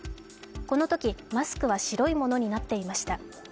このとき、マスクは白いものになっていました。